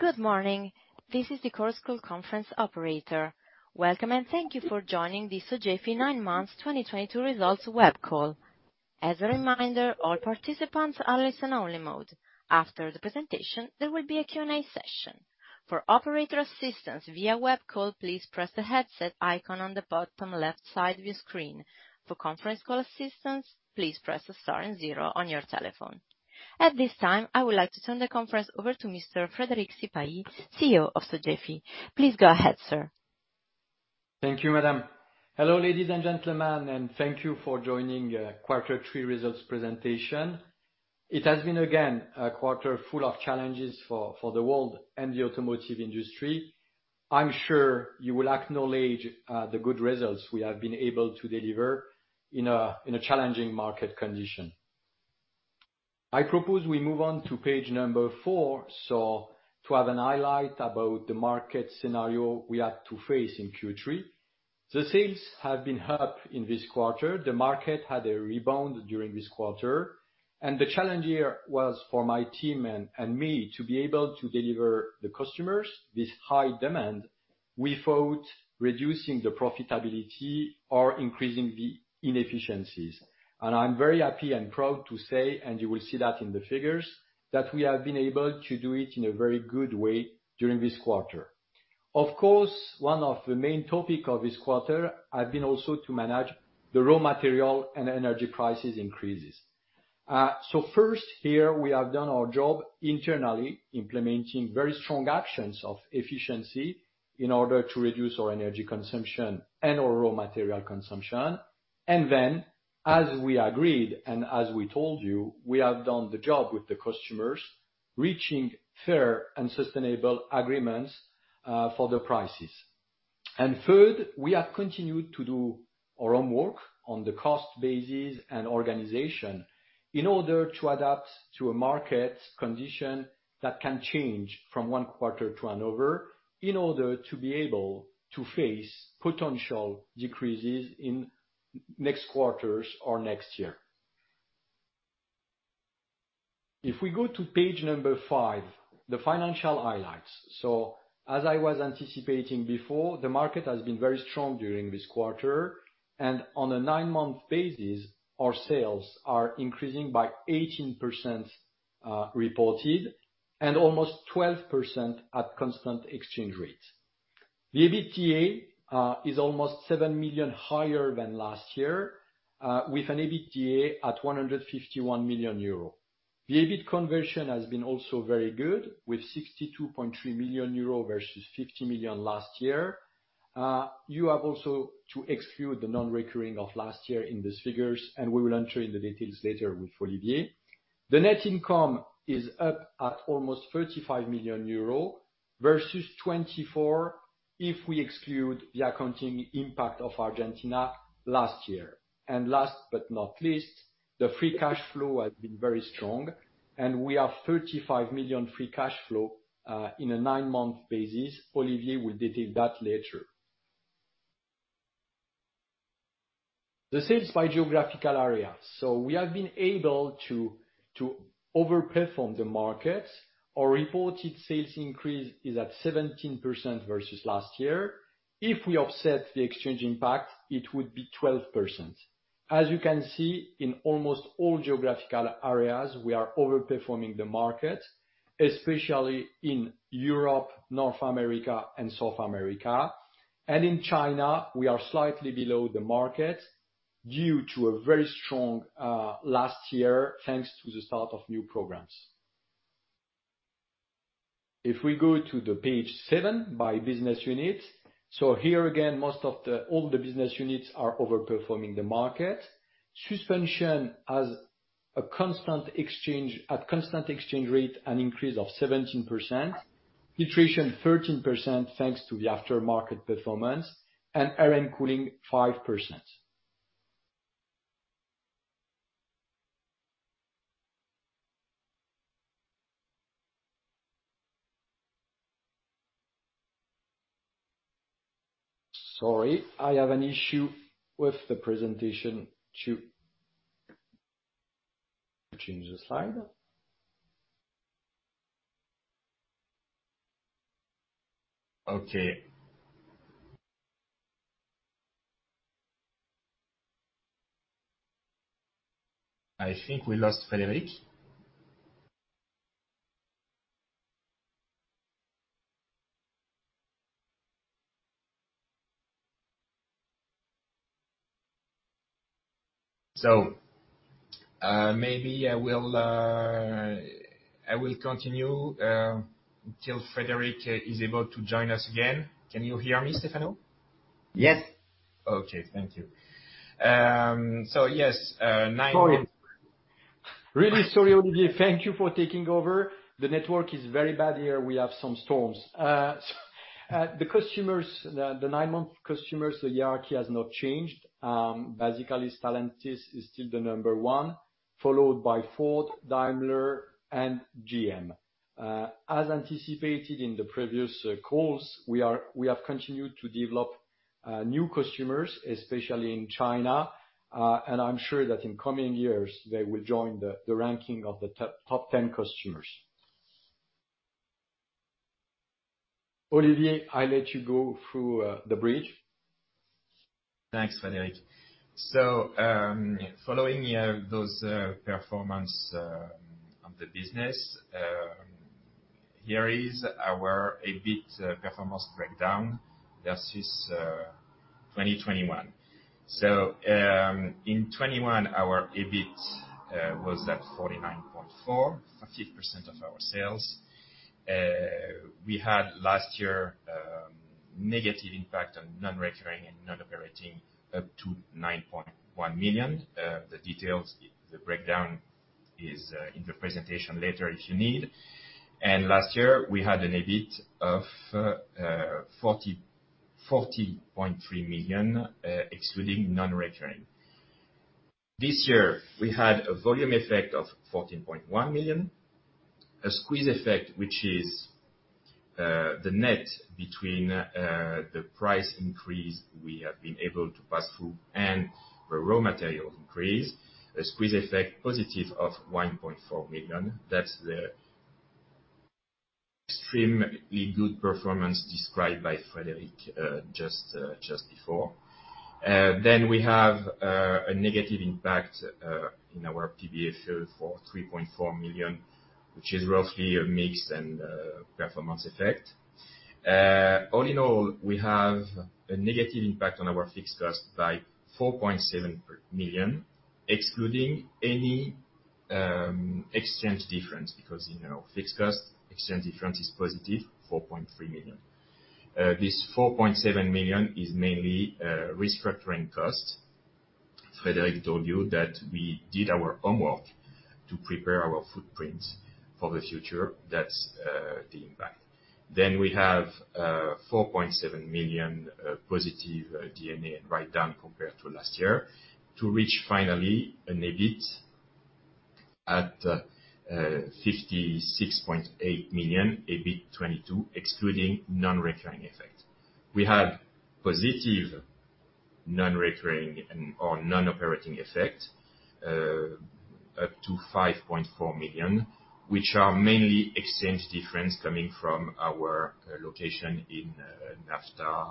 Good morning. This is the Chorus Call conference operator. Welcome, and thank you for joining the Sogefi nine months 2022 results web call. As a reminder, all participants are in listen-only mode. After the presentation, there will be a Q&A session. For operator assistance via web call, please press the headset icon on the bottom left side of your screen. For conference call assistance, please press star and zero on your telephone. At this time, I would like to turn the conference over to Mr. Frédéric Sipahi, CEO of Sogefi. Please go ahead, sir. Thank you, madam. Hello, ladies and gentlemen, and thank you for joining quarter three results presentation. It has been again a quarter full of challenges for the world and the automotive industry. I'm sure you will acknowledge the good results we have been able to deliver in a challenging market condition. I propose we move on to page number four, so to have a highlight about the market scenario we had to face in Q3. The sales have been up in this quarter. The market had a rebound during this quarter, and the challenge here was for my team and me to be able to deliver the customers this high demand without reducing the profitability or increasing the inefficiencies. I'm very happy and proud to say, and you will see that in the figures, that we have been able to do it in a very good way during this quarter. Of course, one of the main topic of this quarter have been also to manage the raw material and energy prices increases. First here, we have done our job internally, implementing very strong actions of efficiency in order to reduce our energy consumption and our raw material consumption. Then, as we agreed, and as we told you, we have done the job with the customers, reaching fair and sustainable agreements, for the prices. Third, we have continued to do our own work on the cost basis and organization in order to adapt to a market condition that can change from one quarter to another, in order to be able to face potential decreases in next quarters or next year. If we go to page five, the financial highlights. As I was anticipating before, the market has been very strong during this quarter. On a nine-month basis, our sales are increasing by 18%, reported and almost 12% at constant exchange rates. The EBITDA is almost 7 million higher than last year, with an EBITDA at 151 million euro. The EBIT conversion has been also very good, with 62.3 million euro versus 50 million last year. You have also to exclude the non-recurring of last year in these figures, and we will enter in the details later with Olivier. The net income is up at almost 35 million euro versus 24 million, if we exclude the accounting impact of Argentina last year. Last but not least, the free cash flow has been very strong, and we have 35 million free cash flow in a nine-month basis. Olivier will detail that later. The sales by geographical area. We have been able to over-perform the market. Our reported sales increase is at 17% versus last year. If we offset the exchange impact, it would be 12%. As you can see, in almost all geographical areas, we are over-performing the market, especially in Europe, North America, and South America. In China, we are slightly below the market due to a very strong last year, thanks to the start of new programs. If we go to page 7 by business unit, so here again, all the business units are over-performing the market. Suspensions has, at constant exchange rate, an increase of 17%, Filtration 13%, thanks to the aftermarket performance, and Air and Cooling 5%. Sorry, I have an issue with the presentation to change the slide. Okay. I think we lost Frédéric. Maybe I will continue until Frédéric is able to join us again. Can you hear me, Stefano? Yes. Okay. Thank you. Yes, nine- Sorry. Really sorry, Olivier. Thank you for taking over. The network is very bad here. We have some storms. The nine-month customers, the hierarchy has not changed. Basically Stellantis is still the number one, followed by Ford, Daimler, and GM. As anticipated in the previous calls, we have continued to develop new customers, especially in China, and I'm sure that in coming years, they will join the ranking of the top 10 customers. Olivier, I'll let you go through the bridge. Thanks, Frédéric. Following those performance of the business, here is our EBIT performance breakdown versus 2021. In 2021, our EBIT was at 49.4. 50% of our sales. We had last year negative impact on non-recurring and non-operating up to 9.1 million. The details, the breakdown is in the presentation later if you need. Last year, we had an EBIT of 40.3 million, excluding non-recurring. This year, we had a volume effect of 14.1 million. A squeeze effect, which is the net between the price increase we have been able to pass through and the raw material increase. A squeeze effect positive of 1.4 million. That's the extremely good performance described by Frédéric just before. We have a negative impact in our P&L for 3.4 million, which is roughly a mix and performance effect. All in all, we have a negative impact on our fixed cost by 4.7 million, excluding any exchange difference, because, you know, fixed cost exchange difference is positive 4.3 million. This 4.7 million is mainly restructuring costs. Frédéric told you that we did our homework to prepare our footprint for the future. That's the impact. We have 4.7 million positive D&A write-down compared to last year, to reach finally an EBIT at 56.8 million, EBIT 2022, excluding non-recurring effect. We have positive non-recurring and/or non-operating effect up to 5.4 million, which are mainly exchange difference coming from our location in NAFTA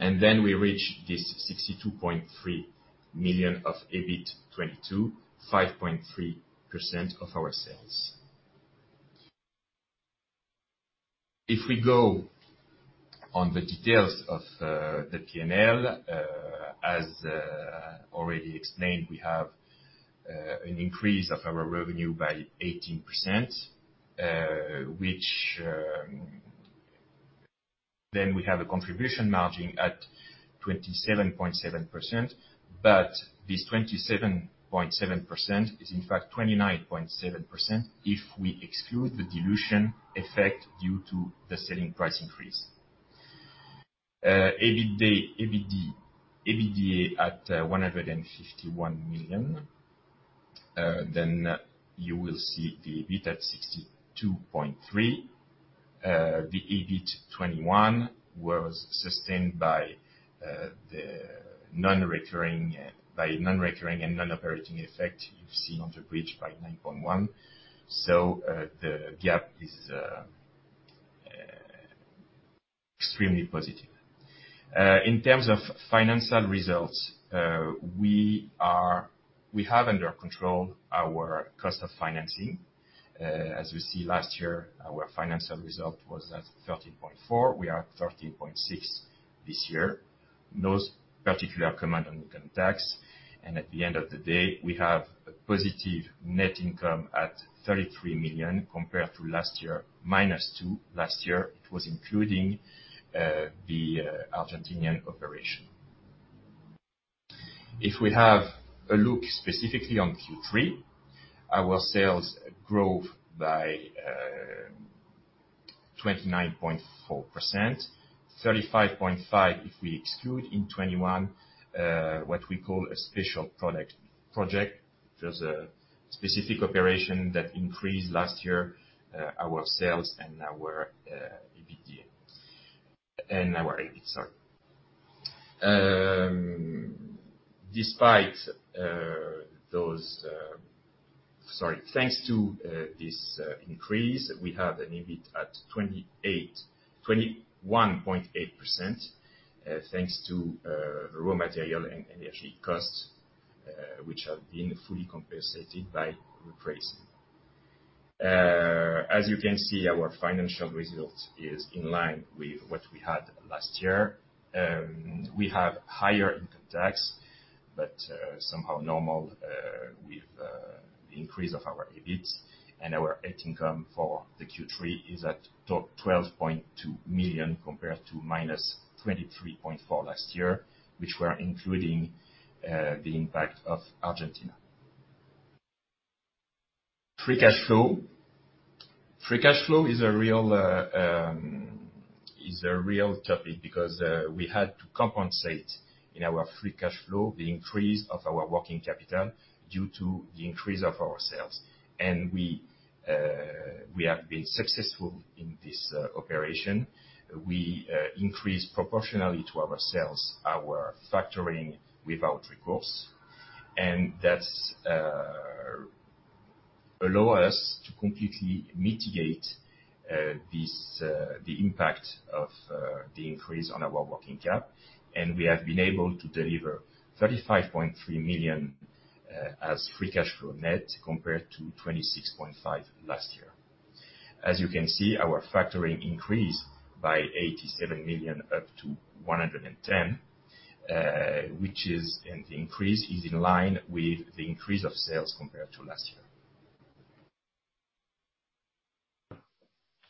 mainly. We reach this 62.3 million of EBIT 2022, 5.3% of our sales. If we go on the details of the P&L, as already explained, we have an increase of our revenue by 18%, which. We have a contribution margin at 27.7%, but this 27.7% is in fact 29.7% if we exclude the dilution effect due to the selling price increase. EBITDA at 151 million. You will see the EBIT at 62.3 million. The EBIT 2021 was sustained by the non-recurring and non-operating effect you see on the bridge by 9.1. The gap is extremely positive. In terms of financial results, we have under control our cost of financing. As you see, last year our financial result was at 13.4. We are at 13.6 this year. That's a particular comment on income tax, and at the end of the day, we have a positive net income at 33 million compared to last year, minus 2 last year. It was including the Argentine operation. If we have a look specifically on Q3, our sales growth by 29.4%, 35.5% if we exclude in 2021 what we call a special project. There's a specific operation that increased last year, our sales and our EBITDA. Our EBIT, sorry. Thanks to this increase, we have an EBIT at 21.8%, thanks to raw material and energy costs, which have been fully compensated by the price. As you can see, our financial result is in line with what we had last year. We have higher income tax, but somehow normal, with the increase of our EBIT. Our net income for the Q3 is at 12.2 million compared to -23.4 million last year, which included the impact of Argentina. Free cash flow. Free cash flow is a real topic because we had to compensate in our free cash flow the increase of our working capital due to the increase of our sales. We have been successful in this operation. We increase proportionally to our sales, our factoring without recourse. That's allow us to completely mitigate the impact of the increase on our working cap. We have been able to deliver 35.3 million as free cash flow net compared to 26.5 million last year. As you can see, our factoring increased by 87 million up to 110 million, and the increase is in line with the increase of sales compared to last year.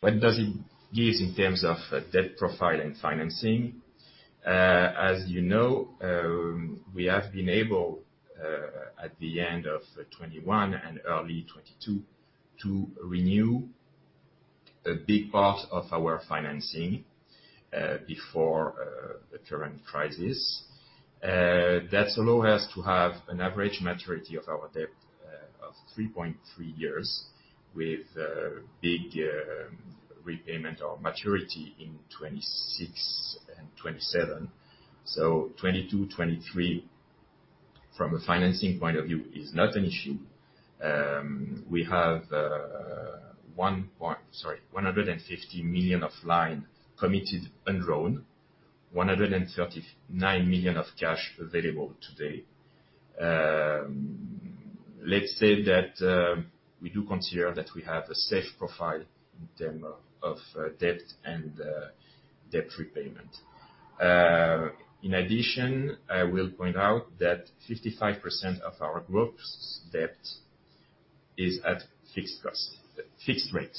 What does it give in terms of debt profile and financing? As you know, we have been able at the end of 2021 and early 2022 to renew a big part of our financing before the current crisis. That allow us to have an average maturity of our debt of 3.3 years with big repayment or maturity in 2026 and 2027. 2022, 2023, from a financing point of view is not an issue. We have 150 million of line committed and drawn, 139 million of cash available today. Let's say that we do consider that we have a safe profile in term of debt and debt repayment. In addition, I will point out that 55% of our group's debt is at fixed rate.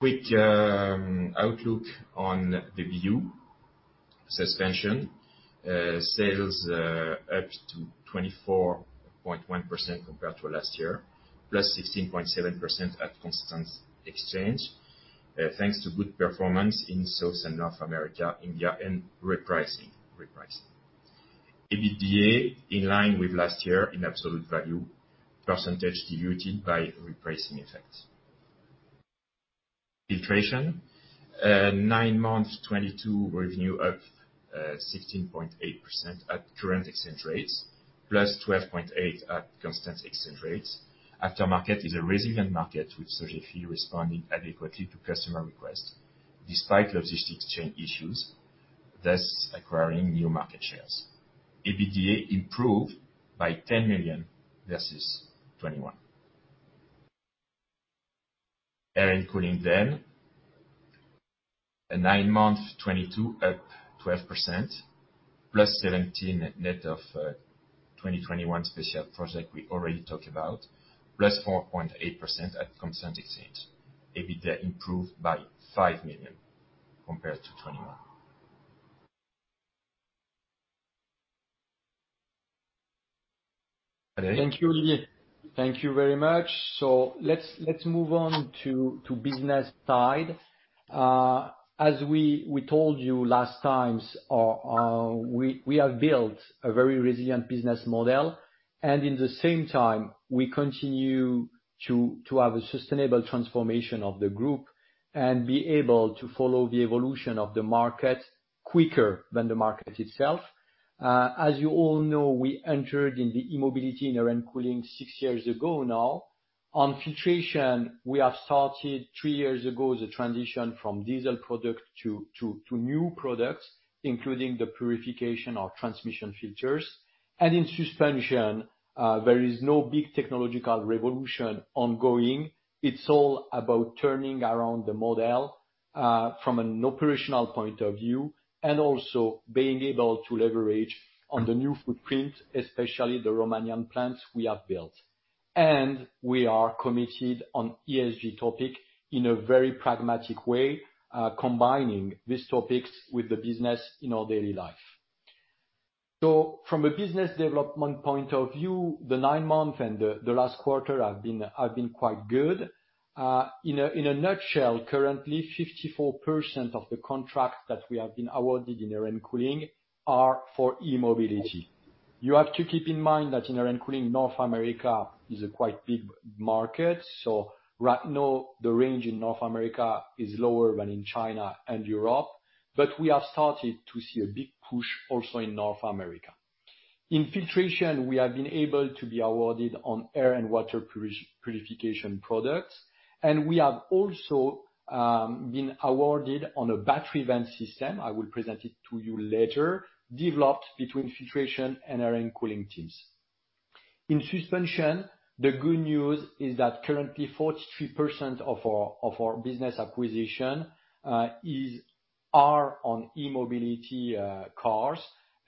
Quick outlook on the view. Suspensions sales up 24.1% compared to last year, plus 16.7% at constant exchange, thanks to good performance in South and North America, India, and repricing. EBITDA in line with last year in absolute value, percentage diluted by repricing effect. Filtration nine months 2022 revenue up 16.8% at current exchange rates, plus 12.8% at constant exchange rates. Aftermarket is a resilient market with Sogefi responding adequately to customer requests despite logistics chain issues, thus acquiring new market shares. EBITDA improved by EUR 10 million versus 2021. Air & Cooling, nine months 2022 up 12%, plus 17% net of 2021 special project we already talked about, plus 4.8% at constant exchange. EBITDA improved by 5 million compared to 2021. Frédéric Sipahi? Thank you, Olivier. Thank you very much. Let's move on to business side. As we told you last times, we have built a very resilient business model, and in the same time, we continue to have a sustainable transformation of the group and be able to follow the evolution of the market quicker than the market itself. As you all know, we entered in the e-mobility in Air & Cooling six years ago now. On Filtration, we have started three years ago, the transition from diesel product to new products, including the purification or transmission filters. In Suspensions, there is no big technological revolution ongoing. It's all about turning around the model, from an operational point of view, and also being able to leverage on the new footprint, especially the Romanian plants we have built. We are committed on ESG topic in a very pragmatic way, combining these topics with the business in our daily life. From a business development point of view, the nine months and the last quarter have been quite good. In a nutshell, currently 54% of the contracts that we have been awarded in Air & Cooling are for e-mobility. You have to keep in mind that in Air & Cooling, North America is a quite big market. Right now, the range in North America is lower than in China and Europe, but we have started to see a big push also in North America. In Filtration, we have been able to be awarded on air and water purification products, and we have also been awarded on a battery vent system, I will present it to you later, developed between Filtration and Air & Cooling teams. In Suspensions, the good news is that currently 43% of our business acquisition are on e-mobility cars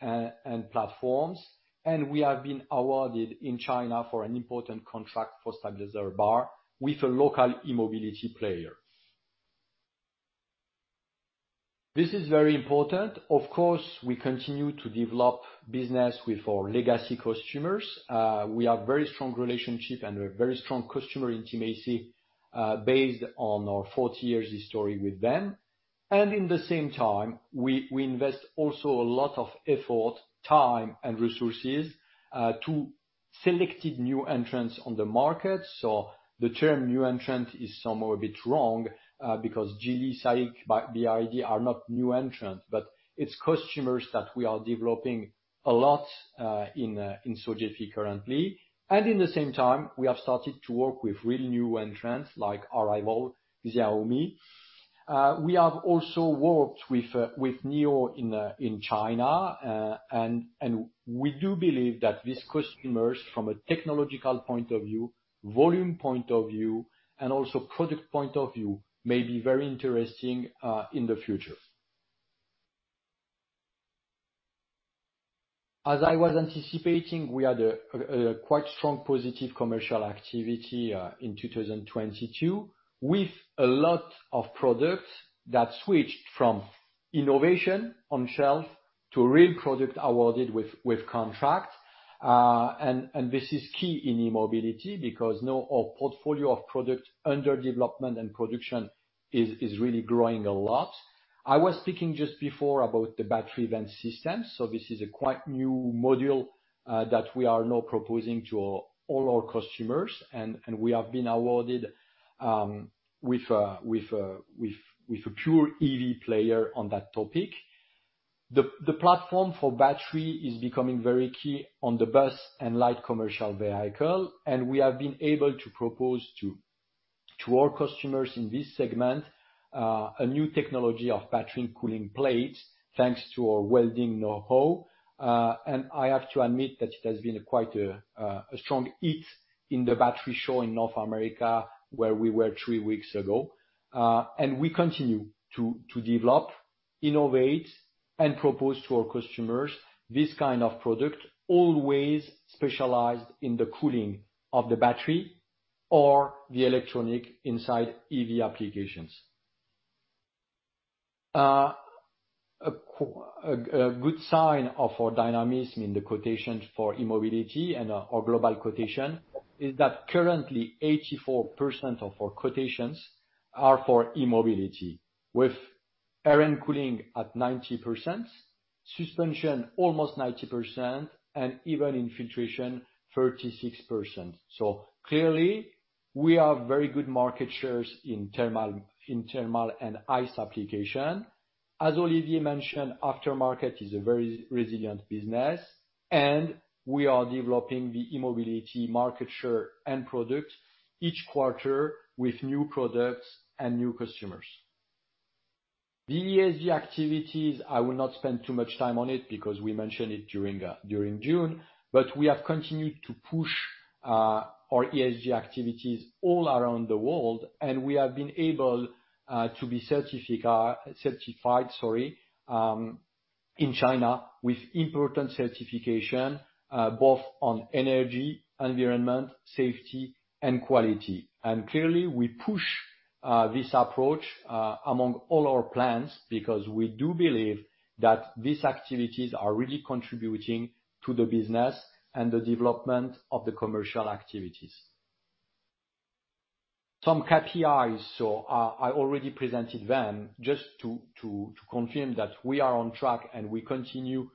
and platforms, and we have been awarded in China for an important contract for stabilizer bar with a local e-mobility player. This is very important. Of course, we continue to develop business with our legacy customers. We have very strong relationship and a very strong customer intimacy based on our 40 years history with them. In the same time, we invest also a lot of effort, time, and resources to selected new entrants on the market. The term new entrant is somehow a bit wrong, because Geely, SAIC, BYD are not new entrants, but it's customers that we are developing a lot in Sogefi currently. In the same time, we have started to work with really new entrants like Arrival, Xiaomi. We have also worked with NIO in China. We do believe that these customers, from a technological point of view, volume point of view, and also product point of view, may be very interesting in the future. As I was anticipating, we had a quite strong positive commercial activity in 2022, with a lot of products that switched from innovation on shelf to a real product awarded with contract. This is key in e-mobility because now our portfolio of products under development and production is really growing a lot. I was speaking just before about the battery vent system, so this is a quite new module that we are now proposing to all our customers. We have been awarded with a pure EV player on that topic. The platform for battery is becoming very key on the bus and light commercial vehicle, and we have been able to propose to our customers in this segment a new technology of battery cooling plates, thanks to our welding know-how. I have to admit that it has been quite a strong hit in the battery show in North America, where we were three weeks ago. We continue to develop, innovate, and propose to our customers this kind of product, always specialized in the cooling of the battery or the electronic inside EV applications. A good sign of our dynamism in the quotations for e-mobility and our global quotation is that currently 84% of our quotations are for e-mobility, with Air & Cooling at 90%, Suspensions almost 90%, and even in Filtration, 36%. Clearly, we have very good market shares in thermal and ICE application. As Olivier mentioned, aftermarket is a very resilient business, and we are developing the e-mobility market share and product each quarter with new products and new customers. The ESG activities, I will not spend too much time on it because we mentioned it during June. We have continued to push our ESG activities all around the world, and we have been able to be certified in China with important certification both on energy, environment, safety, and quality. Clearly, we push this approach among all our plants because we do believe that these activities are really contributing to the business and the development of the commercial activities. Some KPIs. I already presented them just to confirm that we are on track, and we continue to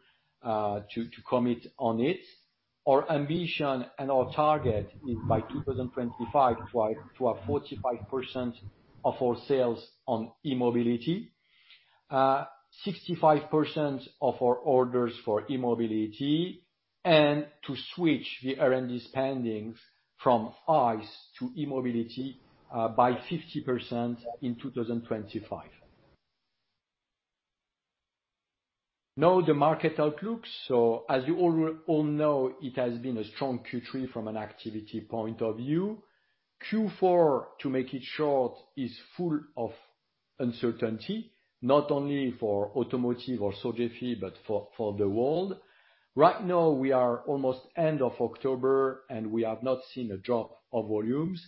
commit on it. Our ambition and our target is by 2025 to have 45% of our sales on e-mobility, 65% of our orders for e-mobility, and to switch the R&D spendings from ICE to e-mobility by 50% in 2025. Now the market outlook. As you all know, it has been a strong Q3 from an activity point of view. Q4, to make it short, is full of uncertainty, not only for automotive or Sogefi but for the world. Right now we are almost end of October, and we have not seen a drop of volumes,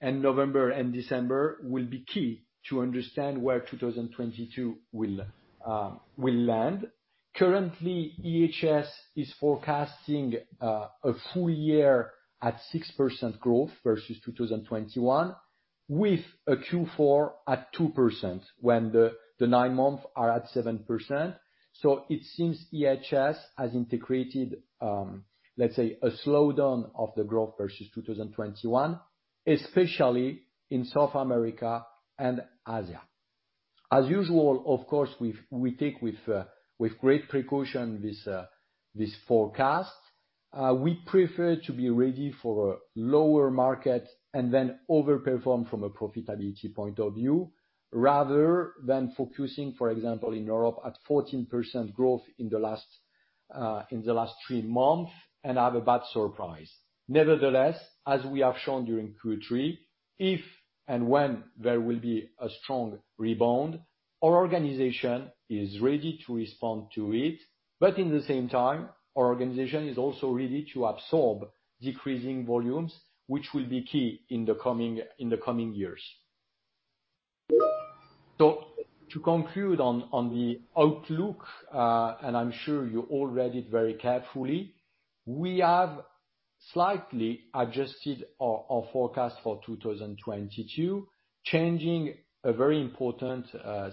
and November and December will be key to understand where 2022 will land. Currently, IHS is forecasting a full year at 6% growth versus 2021, with a Q4 at 2% when the nine-month are at 7%. It seems IHS has integrated, let's say, a slowdown of the growth versus 2021, especially in South America and Asia. As usual, of course, we take with great precaution this forecast. We prefer to be ready for a lower market and then over-perform from a profitability point of view, rather than focusing, for example, in Europe at 14% growth in the last three months, and have a bad surprise. Nevertheless, as we have shown during Q3, if and when there will be a strong rebound, our organization is ready to respond to it. In the same time, our organization is also ready to absorb decreasing volumes, which will be key in the coming years. To conclude on the outlook, and I'm sure you all read it very carefully, we have slightly adjusted our forecast for 2022, changing a very important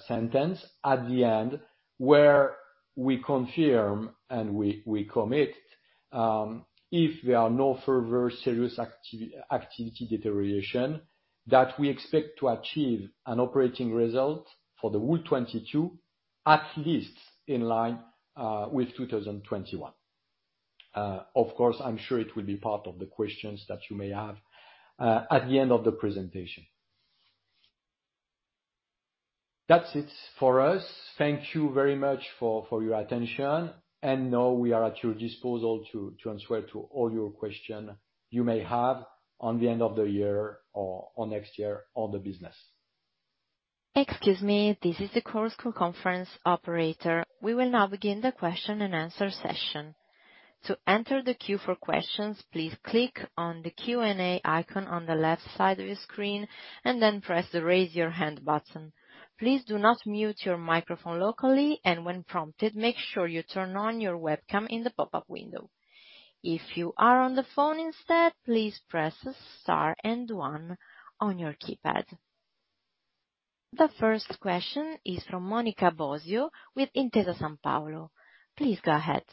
sentence at the end, where we confirm and we commit, if there are no further serious activity deterioration, that we expect to achieve an operating result for the whole 2022, at least in line with 2021. Of course, I'm sure it will be part of the questions that you may have at the end of the presentation. That's it for us. Thank you very much for your attention, and now we are at your disposal to answer to all your questions you may have at the end of the year or next year on the business. Excuse me. This is the Chorus Call conference operator. We will now begin the question and answer session. To enter the queue for questions, please click on the Q&A icon on the left side of your screen and then press the Raise Your Hand button. Please do not mute your microphone locally, and when prompted, make sure you turn on your webcam in the pop-up window. If you are on the phone instead, please press Star and One on your keypad. The first question is from Monica Bosio with Intesa Sanpaolo. Please go ahead.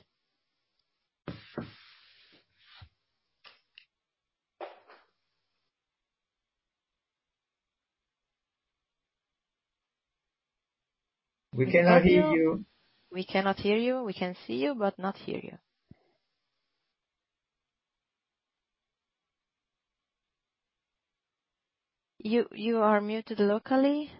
We cannot hear you. We cannot hear you. We can see you, but not hear you. You are muted locally.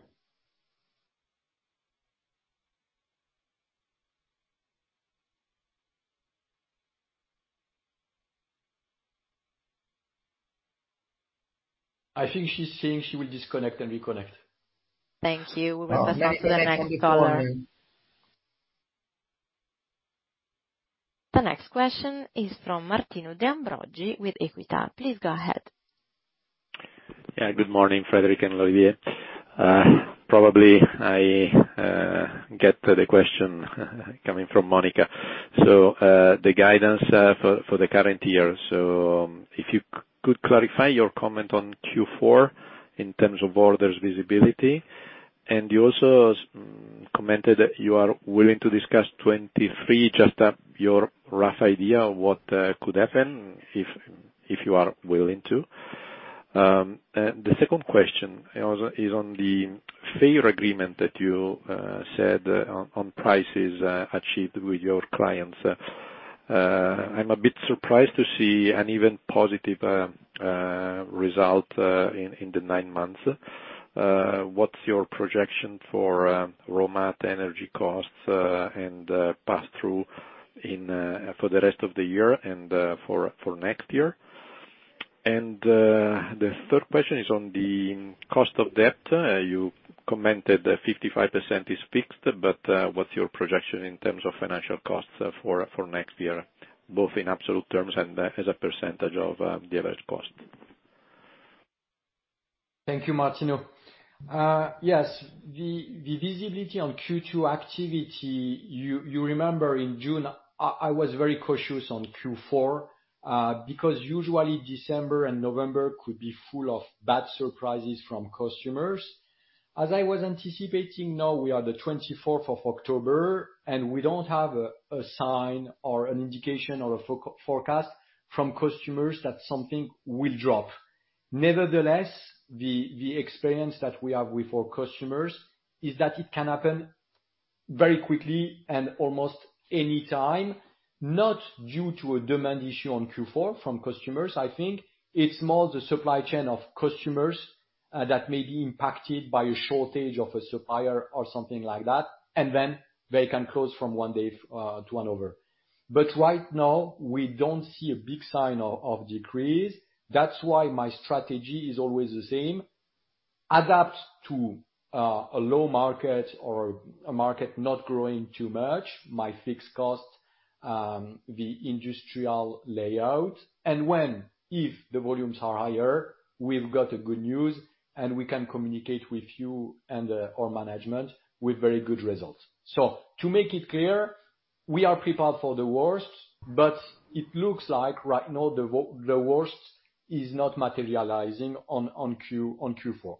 I think she's saying she will disconnect and reconnect. Thank you. We will pass now to the next caller. The next question is from Martino De Ambroggi with Equita. Please go ahead. Yeah. Good morning, Frédéric and Olivier. Probably I get the question coming from Monica. The guidance for the current year. If you could clarify your comment on Q4 in terms of orders visibility. You also commented that you are willing to discuss 2023, just your rough idea of what could happen, if you are willing to. The second question also is on the price agreement that you set on prices achieved with your clients. I'm a bit surprised to see a net positive result in the nine months. What's your projection for raw material energy costs and pass through for the rest of the year and for next year? The third question is on the cost of debt. You commented 55% is fixed, but what's your projection in terms of financial costs for next year, both in absolute terms and as a percentage of the average cost? Thank you, Martino. Yes. The visibility on Q2 activity, you remember in June I was very cautious on Q4, because usually December and November could be full of bad surprises from customers. As I was anticipating, now we are the 24th of October, and we don't have a sign or an indication or a forecast from customers that something will drop. Nevertheless, the experience that we have with our customers is that it can happen very quickly and almost any time, not due to a demand issue on Q2 from customers, I think. It's more the supply chain of customers that may be impacted by a shortage of a supplier or something like that, and then they can close from one day to another. Right now, we don't see a big sign of decrease. That's why my strategy is always the same: adapt to a low market or a market not growing too much, my fixed costs, the industrial layout. When, if the volumes are higher, we've got a good news, and we can communicate with you and our management with very good results. To make it clear, we are prepared for the worst, but it looks like right now the worst is not materializing on Q4.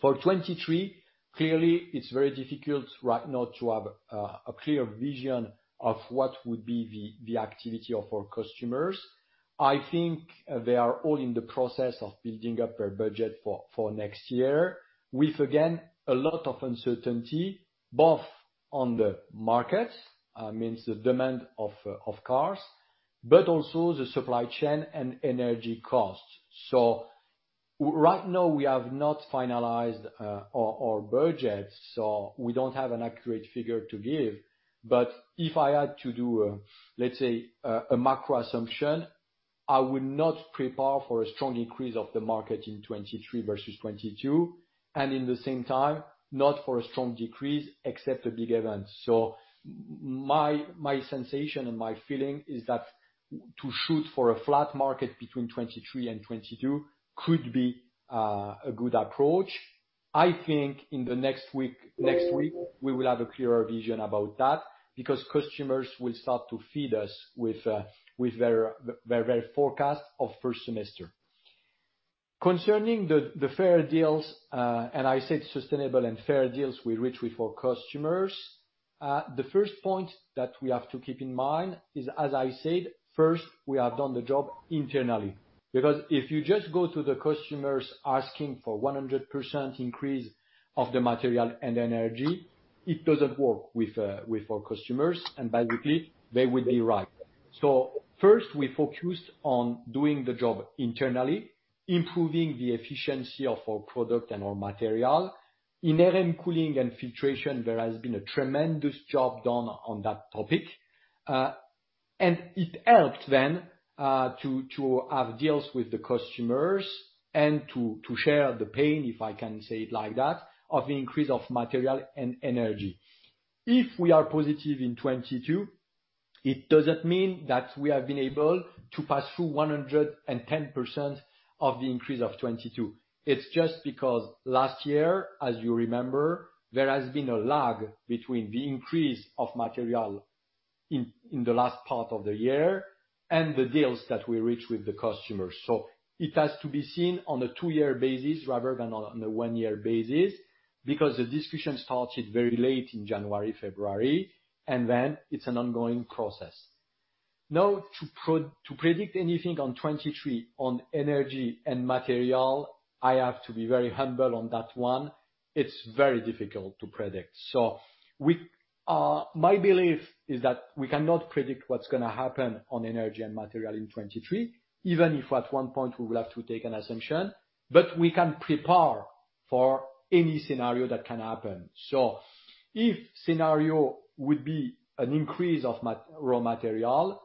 For 2023, clearly it's very difficult right now to have a clear vision of what would be the activity of our customers. I think they are all in the process of building up their budget for next year with, again, a lot of uncertainty, both on the market, means the demand of cars, but also the supply chain and energy costs. Right now we have not finalized our budget, so we don't have an accurate figure to give. But if I had to do, let's say, a macro assumption, I would not prepare for a strong increase of the market in 2023 versus 2022, and at the same time, not for a strong decrease, except a big event. My sensation and my feeling is that to shoot for a flat market between 2023 and 2022 could be a good approach. I think in the next week we will have a clearer vision about that because customers will start to feed us with their forecast of first semester. Concerning the fair deals, and I said sustainable and fair deals we reach with our customers. The first point that we have to keep in mind is, as I said, first, we have done the job internally. Because if you just go to the customers asking for 100% increase of the material and energy, it doesn't work with our customers, and basically, they would be right. First, we focused on doing the job internally, improving the efficiency of our product and our material. In Air & Cooling and Filtration, there has been a tremendous job done on that topic. And it helped then to have deals with the customers and to share the pain, if I can say it like that, of the increase of material and energy. If we are positive in 2022, it doesn't mean that we have been able to pass through 110% of the increase of 2022. It's just because last year, as you remember, there has been a lag between the increase of material in the last part of the year and the deals that we reached with the customers. It has to be seen on a two-year basis rather than on a one-year basis because the discussion started very late in January, February, and then it's an ongoing process. Now to predict anything on 2023 on energy and material, I have to be very humble on that one. It's very difficult to predict. My belief is that we cannot predict what's gonna happen on energy and material in 2023, even if at one point we will have to take an assumption, but we can prepare for any scenario that can happen. If scenario would be an increase of raw material,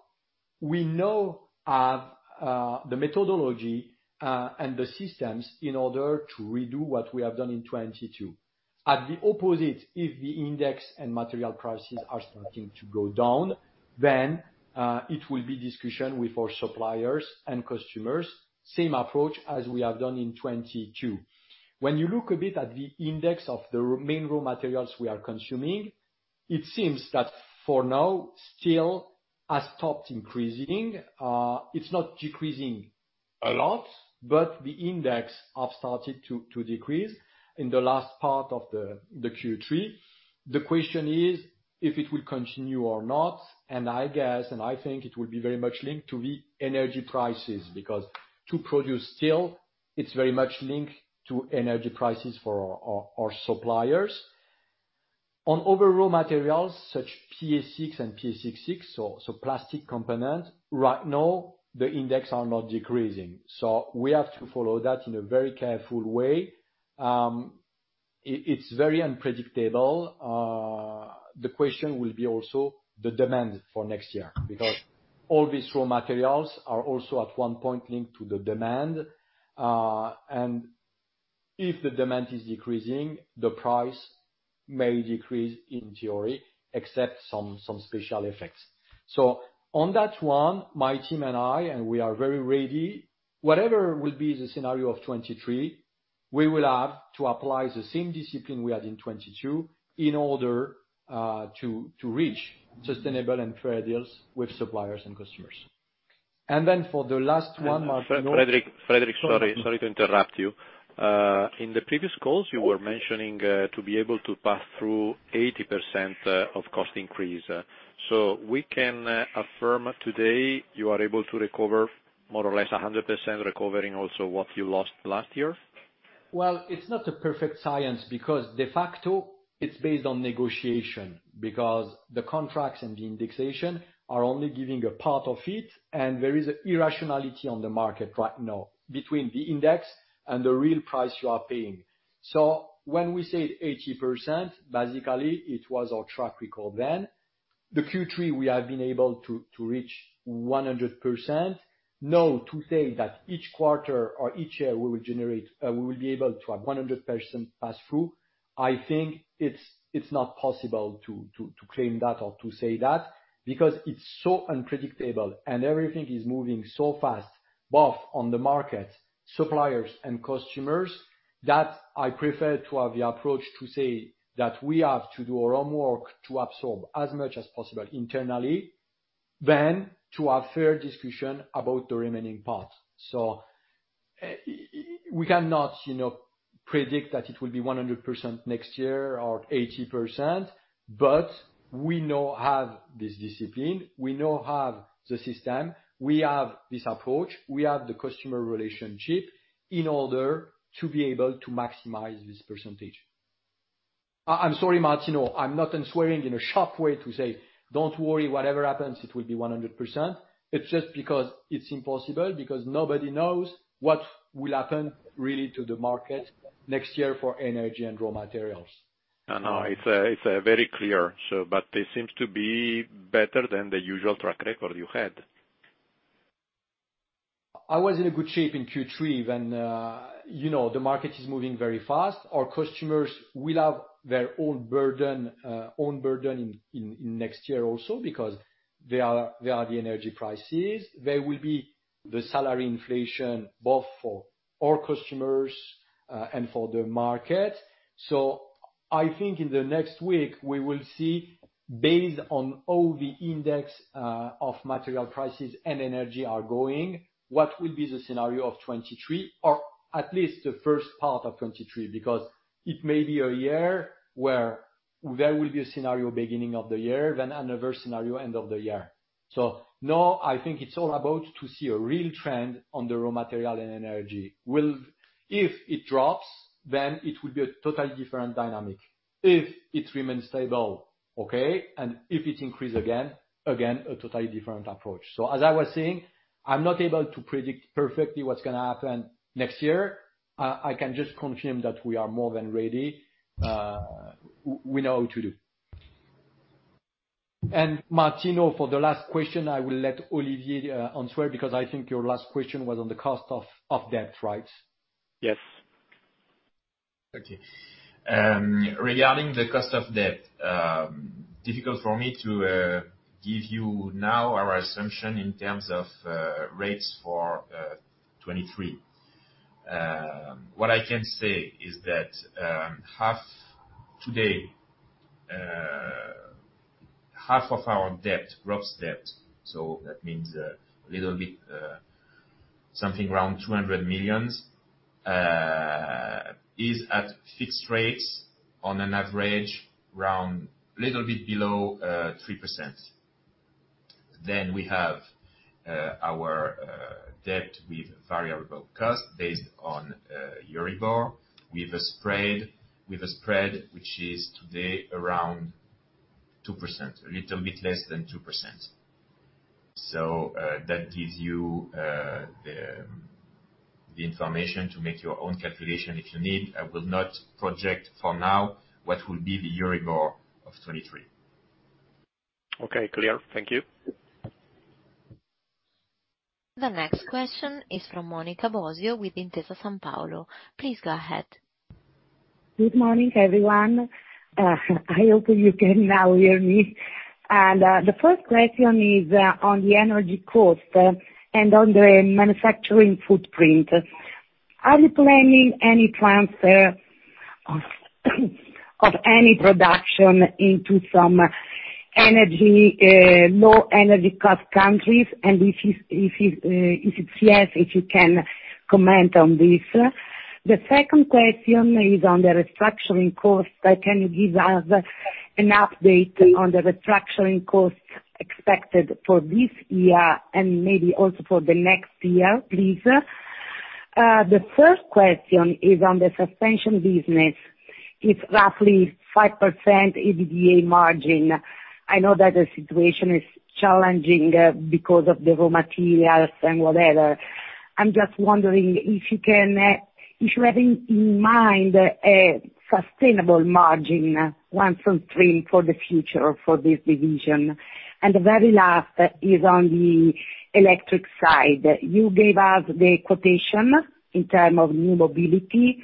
we now have the methodology and the systems in order to redo what we have done in 2022. At the opposite, if the index and material prices are starting to go down, then it will be discussion with our suppliers and customers. Same approach as we have done in 2022. When you look a bit at the index of the main raw materials we are consuming, it seems that for now, steel has stopped increasing. It's not decreasing a lot, but the index have started to decrease in the last part of the Q3. The question is if it will continue or not, and I guess, and I think it will be very much linked to the energy prices because to produce steel, it's very much linked to energy prices for our suppliers. On other raw materials such as PA6 and PA66, so plastic components, right now the indices are not decreasing. We have to follow that in a very careful way. It's very unpredictable. The question will be also the demand for next year because all these raw materials are also at one point linked to the demand. And if the demand is decreasing, the price may decrease in theory, except some special effects. On that one, my team and I, we are very ready. Whatever will be the scenario of 2023, we will have to apply the same discipline we had in 2022 in order to reach sustainable and fair deals with suppliers and customers. For the last one, Martino. Frédéric, sorry to interrupt you. In the previous calls you were mentioning to be able to pass through 80% of cost increase. We can affirm today you are able to recover more or less 100% recovering also what you lost last year? Well, it's not a perfect science because de facto it's based on negotiation because the contracts and the indexation are only giving a part of it and there is irrationality on the market right now between the index and the real price you are paying. When we say 80%, basically it was our track record then. The Q3 we have been able to reach 100%. Now to say that each quarter or each year we will generate, we will be able to have 100% pass through, I think it's not possible to claim that or to say that because it's so unpredictable and everything is moving so fast, both on the market, suppliers and customers, that I prefer to have the approach to say that we have to do our homework to absorb as much as possible internally than to have fair discussion about the remaining part. We cannot, you know, predict that it will be 100% next year or 80%, but we now have this discipline, we now have the system, we have this approach, we have the customer relationship in order to be able to maximize this percentage. I'm sorry, Martino, I'm not assuring in a sharp way to say, "Don't worry, whatever happens it will be 100%." It's just because it's impossible, nobody knows what will happen really to the market next year for energy and raw materials. No, no, it's very clear. It seems to be better than the usual track record you had. I was in a good shape in Q3 when, you know, the market is moving very fast. Our customers will have their own burden in next year also because there are the energy prices. There will be the salary inflation, both for our customers and for the market. I think in the next week we will see based on all the index of material prices and energy are going, what will be the scenario of 2023 or at least the first part of 2023. Because it may be a year where there will be a scenario beginning of the year, then another scenario end of the year. I think it's all about to see a real trend on the raw material and energy. If it drops, then it will be a totally different dynamic. If it remains stable, okay, and if it increase again, a totally different approach. As I was saying, I'm not able to predict perfectly what's gonna happen next year. I can just confirm that we are more than ready, we know what to do. Martino, for the last question, I will let Olivier answer because I think your last question was on the cost of debt, right? Yes. Okay. Regarding the cost of debt, difficult for me to give you now our assumption in terms of rates for 2023. What I can say is that today, half of our debt, gross debt, so that means something around 200 million, is at fixed rates on an average around a little bit below 3%. Then we have our debt with variable rate based on Euribor, with a spread, which is today around 2%, a little bit less than 2%. That gives you the information to make your own calculation if you need. I will not project for now what will be the Euribor of 2023. Okay, clear. Thank you. The next question is from Monica Bosio with Intesa Sanpaolo. Please go ahead. Good morning, everyone. I hope you can now hear me. The first question is on the energy cost and on the manufacturing footprint. Are you planning any transfer of any production into some energy low energy cost countries? If it's yes, if you can comment on this. The second question is on the restructuring cost. Can you give us an update on the restructuring costs expected for this year and maybe also for the next year, please? The third question is on the suspension business. It's roughly 5% EBITDA margin. I know that the situation is challenging because of the raw materials and whatever. I'm just wondering if you can if you have in mind a sustainable margin, one from three for the future for this division. The very last is on the electric side. You gave us the quotation in terms of new mobility.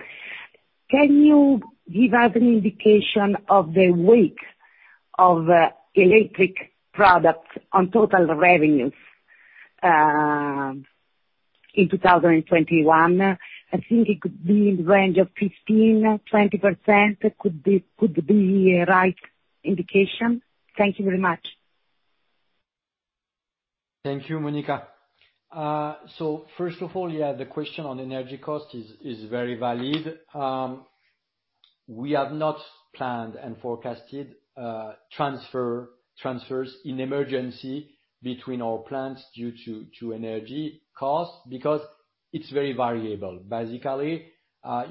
Can you give us an indication of the weight of electric products on total revenues in 2021? I think it could be in the range of 15%-20%. Could be, could be a right indication. Thank you very much. Thank you, Monica. First of all, yeah, the question on energy cost is very valid. We have not planned and forecasted transfers in emergency between our plants due to energy costs because it's very variable. Basically,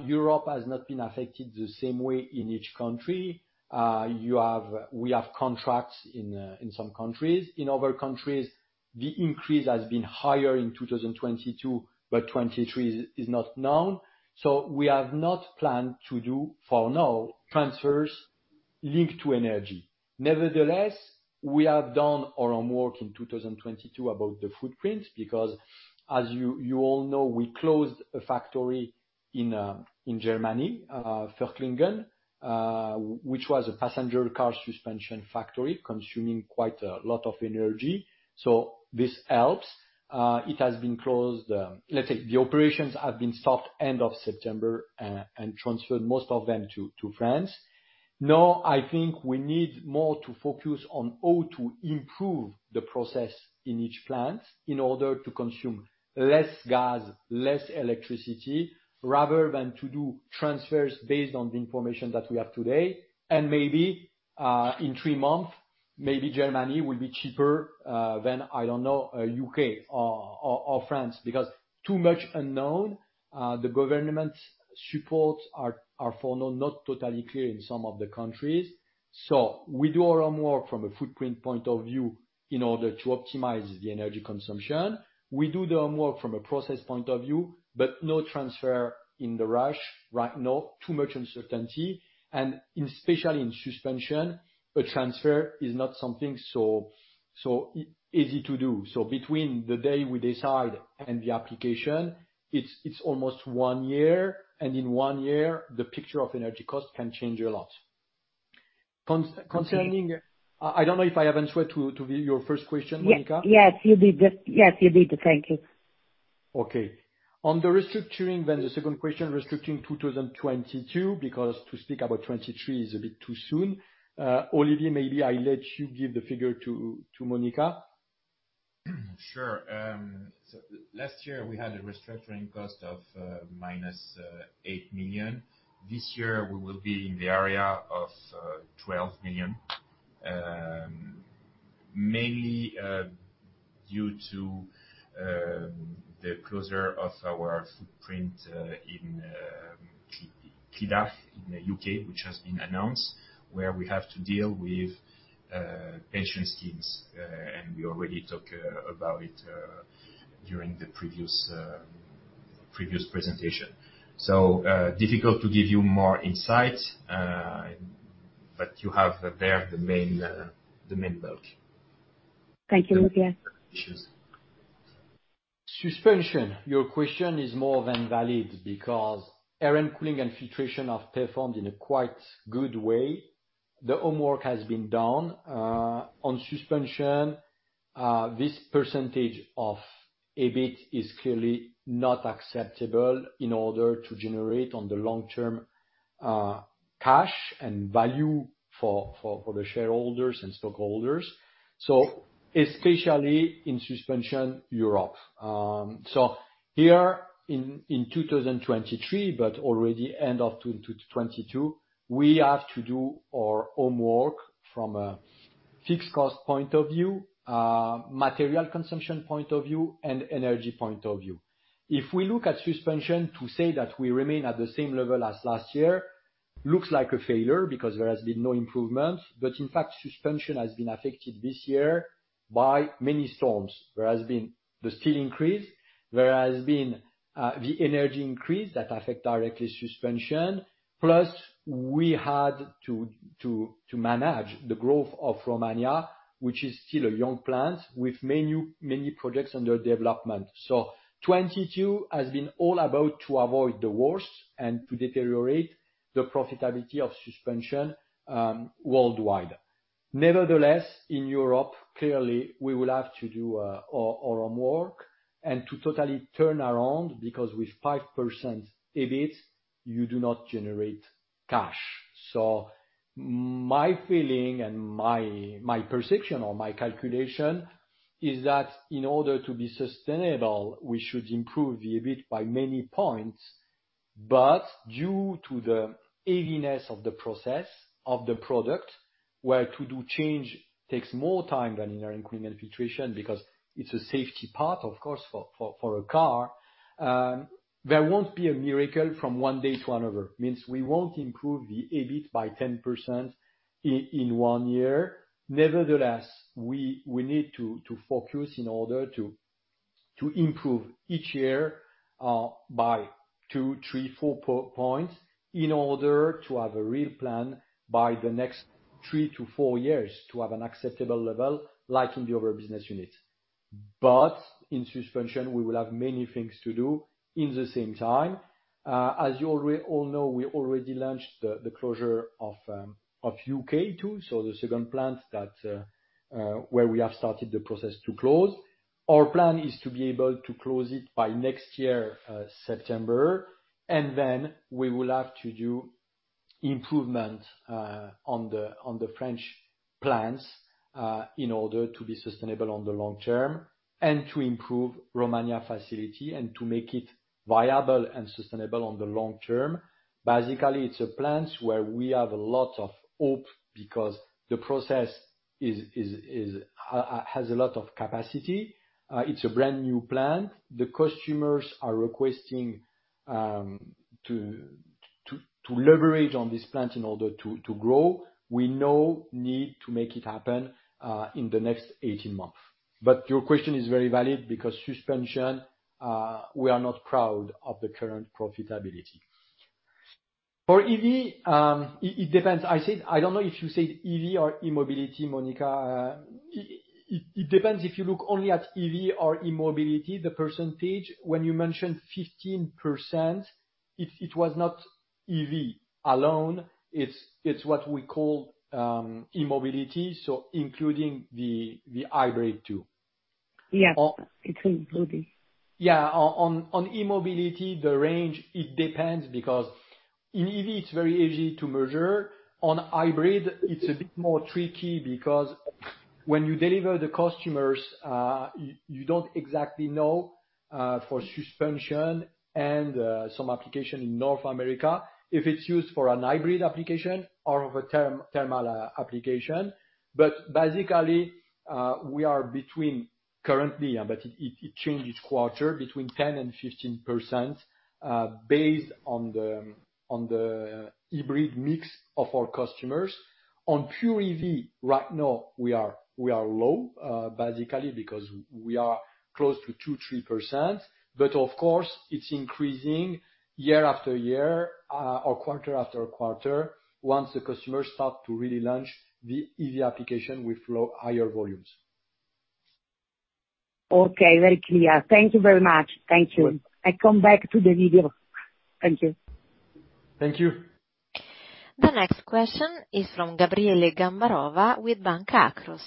Europe has not been affected the same way in each country. We have contracts in some countries. In other countries, the increase has been higher in 2022, but 2023 is not known. We have not planned to do for now transfers linked to energy. Nevertheless, we have done our own work in 2022 about the footprint because as you all know, we closed a factory in Germany, Völklingen, which was a passenger car suspension factory consuming quite a lot of energy. This helps. It has been closed. Let's say the operations have been stopped end of September, and transferred most of them to France. Now, I think we need more to focus on how to improve the process in each plant in order to consume less gas, less electricity, rather than to do transfers based on the information that we have today. Maybe in three months, maybe Germany will be cheaper than, I don't know, U.K. or France, because too much unknown. The government supports are for now not totally clear in some of the countries. We do our own work from a footprint point of view in order to optimize the energy consumption. We do the homework from a process point of view, but no transfer in the rush, right now, too much uncertainty. Especially in Suspensions, a transfer is not something so easy to do. Between the day we decide and the application, it's almost one year, and in one year the picture of energy costs can change a lot. Concerning, I don't know if I answered to your first question, Monica. Yes, you did. Thank you. Okay. On the restructuring then, the second question, restructuring 2022, because to speak about 2023 is a bit too soon. Olivier, maybe I let you give the figure to Monica. Sure. Last year we had a restructuring cost of minus 8 million. This year we will be in the area of 12 million. Mainly due to the closure of our footprint in Kidderminster in the U.K., which has been announced, where we have to deal with pension schemes and we already talk about it during the previous presentation. Difficult to give you more insight, but you have there the main bulk. Thank you, Olivier. Cheers. Suspensions. Your question is more than valid because Air & Cooling and Filtration are performed in a quite good way. The homework has been done. On Suspensions, this percentage of EBIT is clearly not acceptable in order to generate on the long term, cash and value for the shareholders and stockholders. Especially in Suspensions Europe. Here in 2023, but already end of 2022, we have to do our homework from a fixed cost point of view, material consumption point of view and energy point of view. If we look at Suspensions to say that we remain at the same level as last year, looks like a failure because there has been no improvement. In fact, Suspensions has been affected this year by many storms. There has been the steel increase, there has been the energy increase that affect directly Suspensions. Plus we had to manage the growth of Romania, which is still a young plant with many projects under development. 2022 has been all about to avoid the worst and to deteriorate the profitability of Suspensions worldwide. Nevertheless, in Europe, clearly we will have to do our homework and to totally turn around because with 5% EBIT, you do not generate cash. My feeling and my perception or my calculation is that in order to be sustainable, we should improve the EBIT by many points. Due to the heaviness of the process of the product, where to do change takes more time than in our cooling and filtration because it's a safety part of course, for a car, there won't be a miracle from one day to another. Means we won't improve the EBIT by 10% in one year. Nevertheless, we need to focus in order to improve each year by 2, 3, 4 percentage points in order to have a real plan by the next three to four years to have an acceptable level like in the other business units. In Suspensions we will have many things to do at the same time. As you all know, we already launched the closure of UK too. The second plant where we have started the process to close. Our plan is to be able to close it by next year, September, and then we will have to do improvement on the French plants in order to be sustainable on the long term and to improve Romanian facility and to make it viable and sustainable on the long term. Basically, it's a plant where we have a lot of hope because the process has a lot of capacity. It's a brand-new plant. The customers are requesting to leverage on this plant in order to grow. We now need to make it happen in the next 18 months. Your question is very valid because Suspensions, we are not proud of the current profitability. For EV, it depends. I said I don't know if you said EV or e-mobility, Monica. It depends if you look only at EV or e-mobility, the percentage. When you mentioned 15%, it was not EV alone. It's what we call e-mobility. Including the hybrid too. Yes. It's e-mobility. On e-mobility, the range, it depends because in EV it's very easy to measure. On hybrid, it's a bit more tricky because when you deliver to the customers, you don't exactly know for suspension and some applications in North America, if it's used for a hybrid application or a thermal application. Basically, we are currently between, but it changes quarter to quarter between 10% and 15%, based on the hybrid mix of our customers. On pure EV right now, we are low, basically because we are close to 2%-3%. Of course it's increasing year after year, or quarter after quarter once the customers start to really launch the EV applications with higher volumes. Okay, very clear. Thank you very much. Thank you. I come back to the video. Thank you. Thank you. The next question is from Gabriele Gambarova with Banca Akros.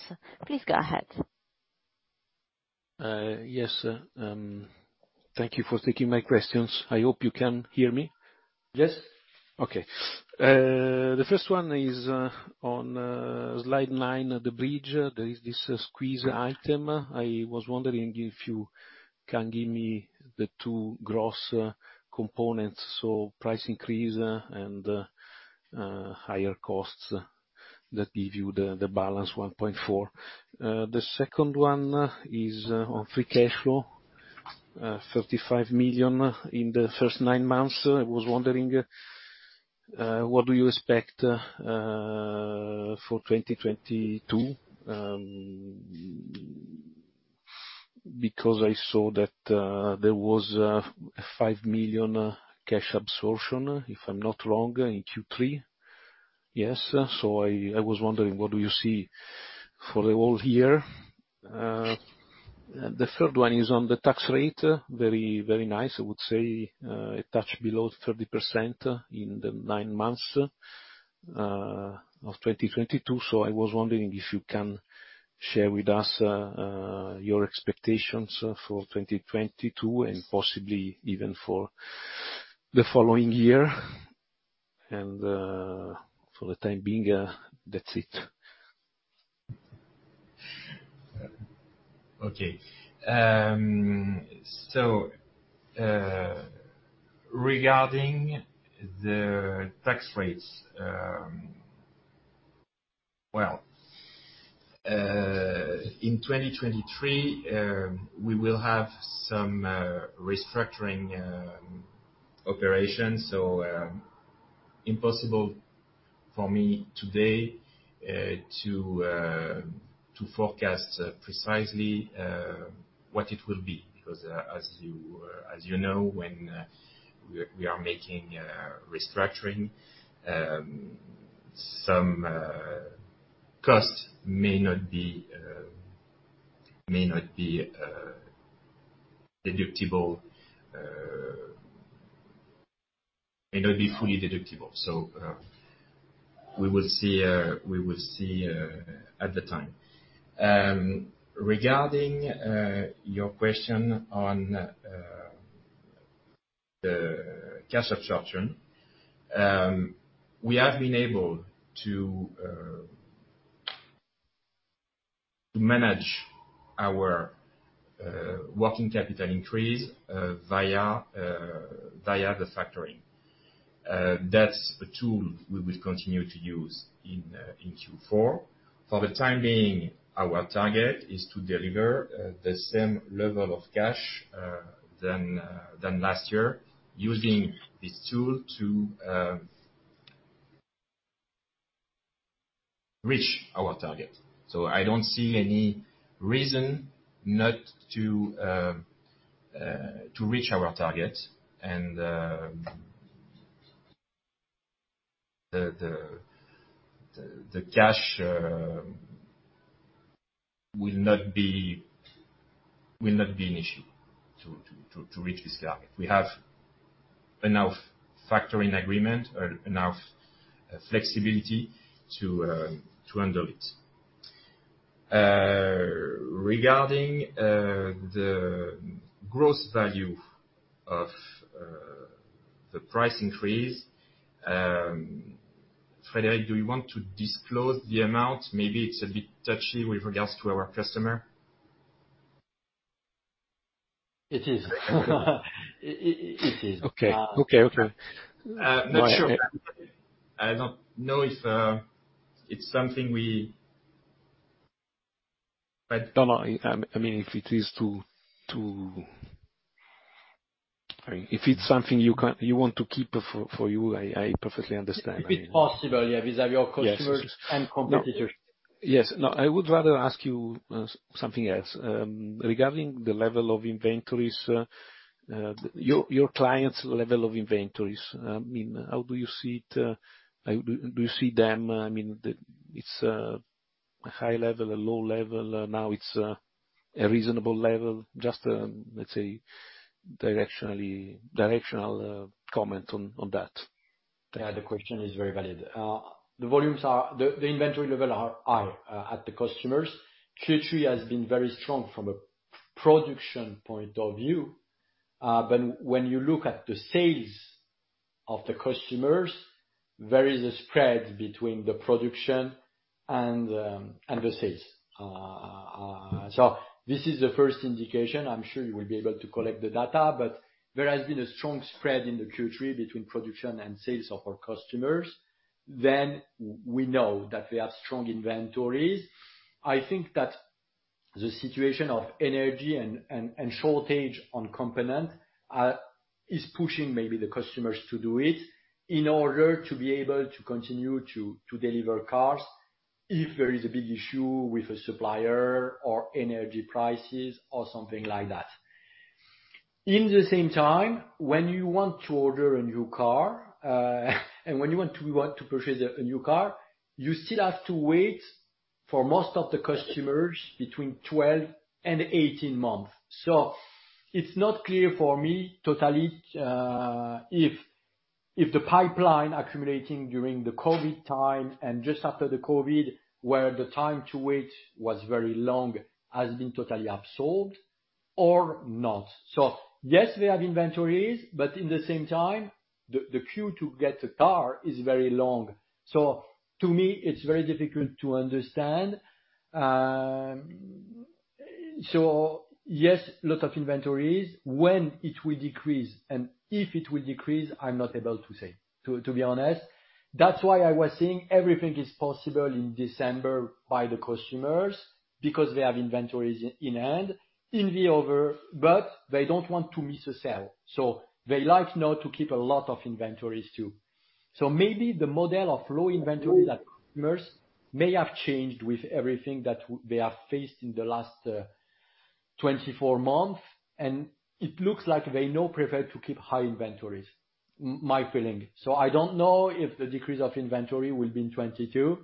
Please go ahead. Yes. Thank you for taking my questions. I hope you can hear me. Yes. Okay. The first one is on slide nine, the bridge. There is this squeeze item. I was wondering if you can give me the two gross components, so price increase and higher costs that give you the balance 1.4. The second one is on free cash flow, 55 million in the first nine months. I was wondering what do you expect for 2022? Because I saw that there was 5 million cash absorption, if I'm not wrong, in Q3. Yes. I was wondering what you see for the whole year? The third one is on the tax rate. Very nice. I would say it touched below 30% in the nine months of 2022. I was wondering if you can share with us your expectations for 2022 and possibly even for the following year. For the time being, that's it. Okay. Regarding the tax rates, well, in 2023, we will have some restructuring operations, impossible for me today to forecast precisely what it will be. Because as you know, when we are making a restructuring, some costs may not be fully deductible. We will see at the time. Regarding your question on the cash absorption, we have been able to manage our working capital increase via the factoring. That's a tool we will continue to use in Q4. For the time being, our target is to deliver the same level of cash than last year, using this tool to reach our target. I don't see any reason not to reach our target. The cash will not be an issue to reach this target. We have enough factoring agreement or enough flexibility to handle it. Regarding the gross value of the price increase, Frédéric, do you want to disclose the amount? Maybe it's a bit touchy with regards to our customer. It is. It is. Okay. Not sure. I don't know if it's something we No. I mean, if it is too, I mean, if it's something you want to keep for you, I perfectly understand. It's possible, yeah. These are your customers. Yes. competitors. Yes. No, I would rather ask you something else. Regarding the level of inventories, your clients' level of inventories, I mean, how do you see it? How do you see them, I mean, it's a high level, a low level, now it's a reasonable level? Just, let's say directionally, directional comment on that. Yeah, the question is very valid. The inventory levels are high at the customers. Q3 has been very strong from a production point of view. But when you look at the sales of the customers, there is a spread between the production and the sales. This is the first indication. I'm sure you will be able to collect the data, but there has been a strong spread in the Q3 between production and sales of our customers. We know that we have strong inventories. I think that the situation of energy and shortage of components is pushing maybe the customers to do it in order to be able to continue to deliver cars if there is a big issue with a supplier or energy prices or something like that. At the same time, when you want to order a new car and when you want to purchase a new car, you still have to wait for most of the customers between 12 and 18 months. It's not clear for me totally, if the pipeline accumulating during the COVID time and just after the COVID, where the time to wait was very long, has been totally absorbed or not. Yes, we have inventories, but at the same time, the queue to get a car is very long. To me, it's very difficult to understand. Yes, a lot of inventories. When it will decrease, and if it will decrease, I'm not able to say, to be honest. That's why I was saying everything is possible in December by the customers because they have inventories in hand in the over, but they don't want to miss a sale, so they like now to keep a lot of inventories too. Maybe the model of low inventories at customers may have changed with everything that they have faced in the last 24 months, and it looks like they now prefer to keep high inventories. My feeling. I don't know if the decrease of inventory will be in 2022,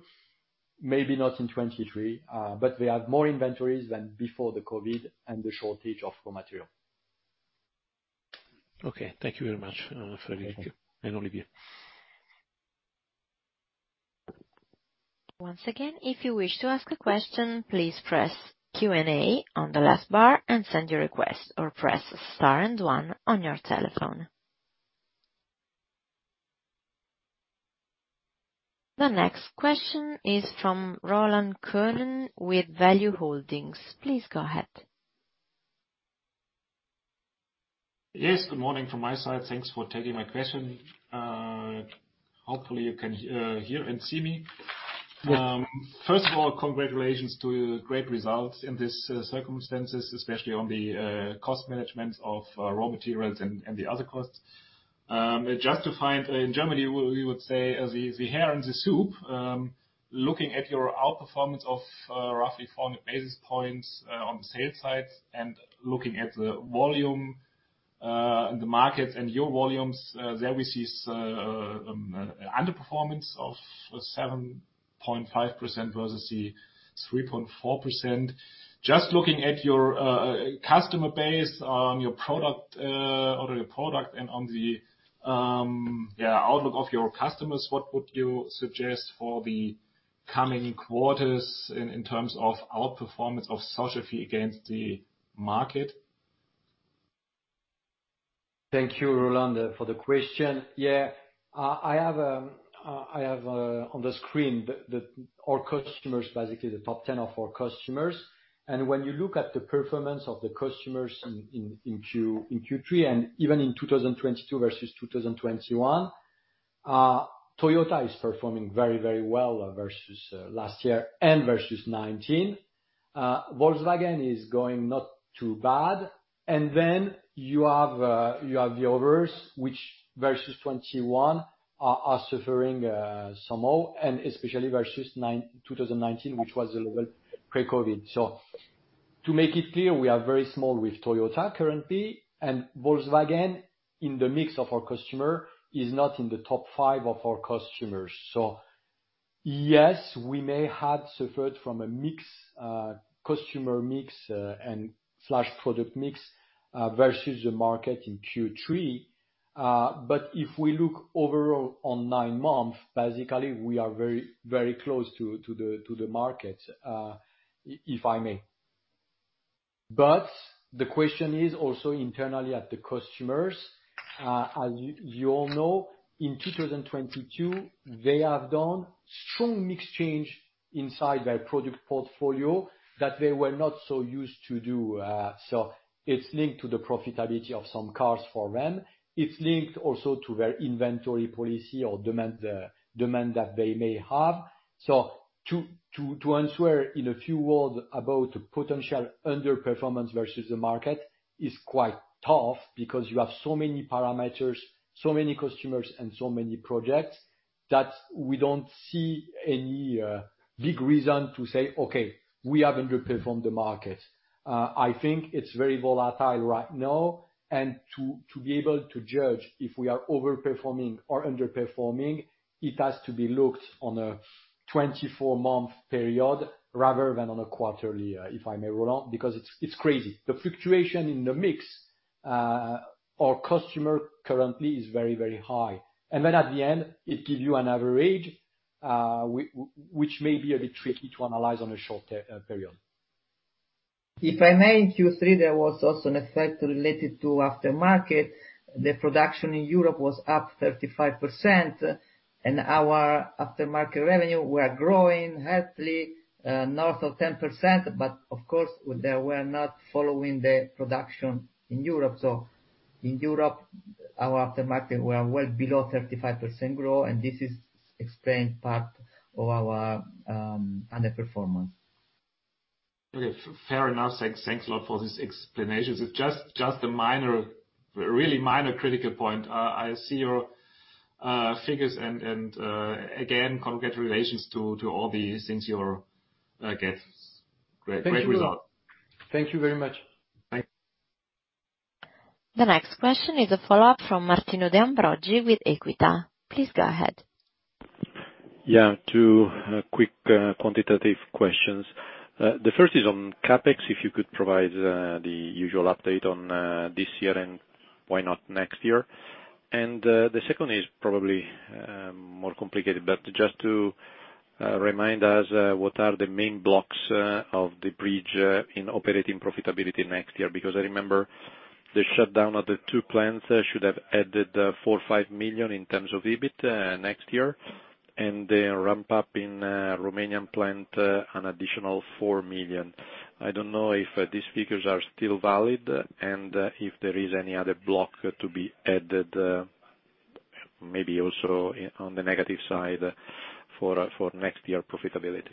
maybe not in 2023, but we have more inventories than before the COVID and the shortage of raw material. Okay. Thank you very much, Frédéric and Olivier. Once again, if you wish to ask a question, please press Q&A on the last bar and send your request or press star and one on your telephone. The next question is from Ronald Cohen with Value Holdings. Please go ahead. Yes, good morning from my side. Thanks for taking my question. Hopefully you can hear and see me. First of all, congratulations to great results in these circumstances, especially on the cost management of raw materials and the other costs. Just to find. In Germany, we would say the hair in the soup. Looking at your outperformance of roughly 400 basis points on the sales side and looking at the volume in the markets and your volumes, there we see underperformance of 7.5% versus the 3.4%. Just looking at your customer base on your product or on the outlook of your customers, what would you suggest for the coming quarters in terms of outperformance of Sogefi against the market? Thank you, Ronald, for the question. Yeah. I have on the screen our customers, basically the top 10 of our customers. When you look at the performance of the customers in Q3 and even in 2022 versus 2021, Toyota is performing very, very well versus last year and versus 2019. Volkswagen is going not too bad. Then you have the others which versus 2021 are suffering some more, and especially versus 2019, which was a little pre-COVID. To make it clear, we are very small with Toyota currently, and Volkswagen in the mix of our customer is not in the top 5 of our customers. Yes, we may had suffered from a mix, customer mix, and slash product mix, versus the market in Q3. If we look overall on nine months, basically we are very, very close to the market, if I may. The question is also internally at the customers. As you all know, in 2022, they have done strong mix change inside their product portfolio that they were not so used to do. It's linked to the profitability of some cars for rent. It's linked also to their inventory policy or demand that they may have. To answer in a few words about potential underperformance versus the market is quite tough because you have so many parameters, so many customers and so many projects that we don't see any big reason to say, "Okay, we have underperformed the market." I think it's very volatile right now. To be able to judge if we are overperforming or underperforming, it has to be looked on a 24-month period rather than on a quarterly, if I may roll on, because it's crazy. The fluctuation in the mix of our customers currently is very, very high. Then at the end it gives you an average, which may be a bit tricky to analyze on a short period. If I may, in Q3, there was also an effect related to aftermarket. The production in Europe was up 35% and our aftermarket revenue were growing healthily, north of 10%. Of course, they were not following the production in Europe. In Europe, our aftermarket were well below 35% growth, and this is explained part of our underperformance. Okay. Fair enough. Thanks a lot for these explanations. It's just a minor, really minor critical point. I see your figures and again, congratulations to all the things you're Okay. Great result. Thank you. Thank you very much. Bye. The next question is a follow-up from Martino De Ambroggi with Equita. Please go ahead. Yeah, two quick quantitative questions. The first is on CapEx, if you could provide the usual update on this year and why not next year. The second is probably more complicated, but just to remind us, what are the main blocks of the bridge in operating profitability next year? Because I remember the shutdown of the two plants should have added 4 or 5 million in terms of EBIT next year. The ramp up in Romanian plant an additional 4 million. I don't know if these figures are still valid and if there is any other block to be added, maybe also on the negative side for next year profitability.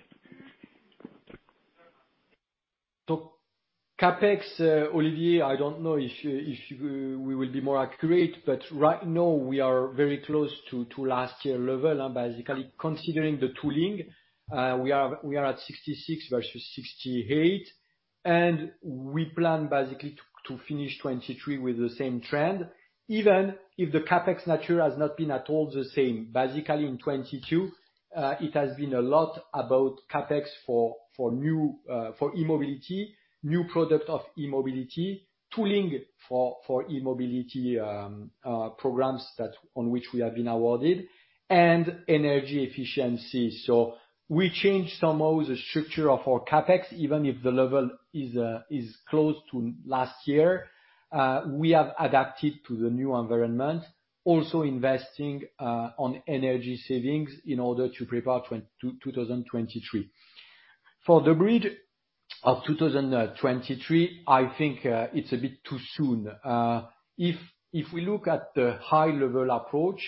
CapEx, Olivier, I don't know if we will be more accurate, but right now we are very close to last year level. Basically considering the tooling, we are at 66 versus 68, and we plan basically to finish 2023 with the same trend, even if the CapEx nature has not been at all the same. Basically, in 2022, it has been a lot about CapEx for new for e-mobility, new product of e-mobility, tooling for e-mobility, programs that on which we have been awarded, and energy efficiency. We changed somehow the structure of our CapEx even if the level is close to last year. We have adapted to the new environment, also investing on energy savings in order to prepare 2023. For the budget of 2023, I think it's a bit too soon. If we look at the high level approach,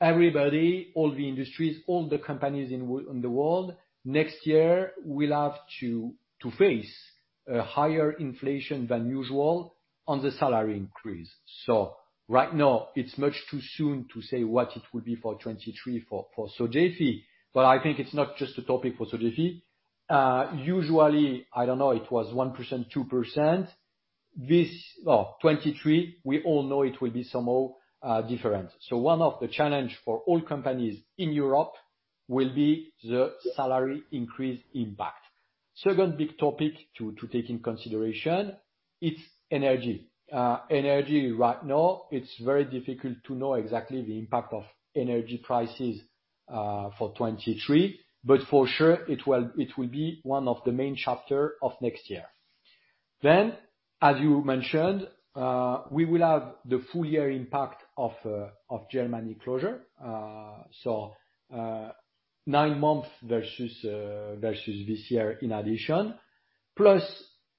everybody, all the industries, all the companies in the world, next year will have to face a higher inflation than usual on the salary increase. Right now it's much too soon to say what it will be for 2023 for Sogefi, but I think it's not just a topic for Sogefi. Usually, I don't know, it was 1%, 2%. Well, 2023, we all know it will be somehow different. One of the challenge for all companies in Europe will be the salary increase impact. Second big topic to take in consideration, it's energy. Energy right now, it's very difficult to know exactly the impact of energy prices for 2023, but for sure it will be one of the main chapter of next year. As you mentioned, we will have the full year impact of Germany closure. So, nine months versus this year in addition. Plus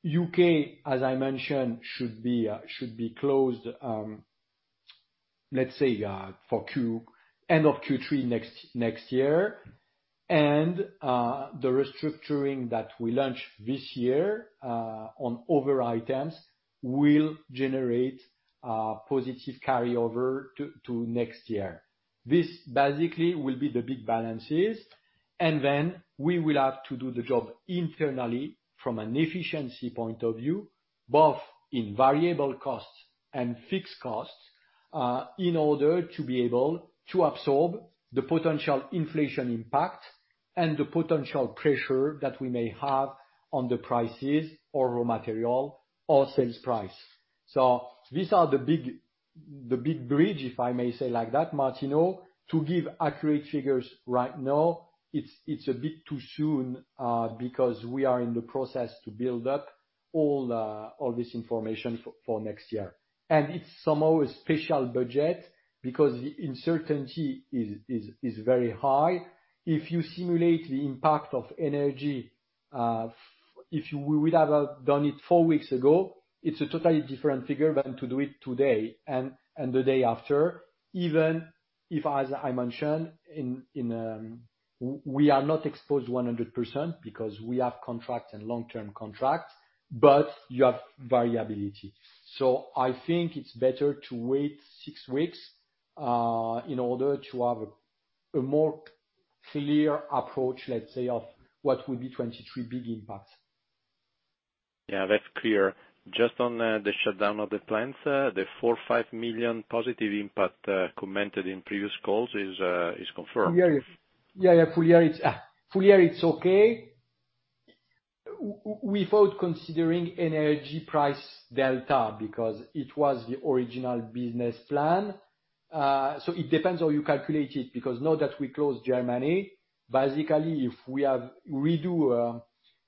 U.K., as I mentioned, should be closed, let's say, by the end of Q3 next year. The restructuring that we launched this year on other items will generate positive carryover to next year. This basically will be the big balances, and then we will have to do the job internally from an efficiency point of view, both in variable costs and fixed costs, in order to be able to absorb the potential inflation impact and the potential pressure that we may have on the prices or raw material or sales price. These are the big bridge, if I may say like that, Martino. To give accurate figures right now, it's a bit too soon, because we are in the process to build up all this information for next year. It's somehow a special budget because the uncertainty is very high. If you simulate the impact of energy, if you would have done it four weeks ago, it's a totally different figure than to do it today and the day after. Even if, as I mentioned, we are not exposed 100% because we have contracts and long-term contracts, but you have variability. I think it's better to wait 6 weeks in order to have a more clear approach, let's say, of what will be 2023 big impact. Yeah, that's clear. Just on the shutdown of the plants, the 4.5 million positive impact commented in previous calls is confirmed? Yeah. Full year, it's okay. Without considering energy price delta, because it was the original business plan. It depends how you calculate it, because now that we closed Germany, basically, if we had to redo